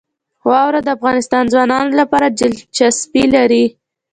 واوره د افغان ځوانانو لپاره دلچسپي لري.